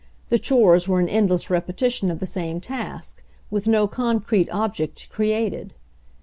The chores were an endless repeti tion of the same task, with no concrete object created.